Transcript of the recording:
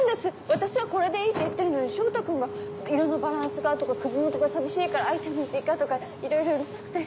私はこれでいいって言ってるのに翔太君が「色のバランスが」とか「首元が寂しいからアイテム追加」とかいろいろうるさくて。